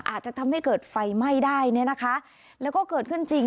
อาจจะทำให้เกิดไฟไหม้ได้แล้วก็เกิดขึ้นจริง